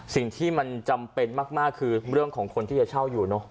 สิ่งที่มันจำเป็นมากคือเรื่องของคนที่จะเช่าอยู่เนอะ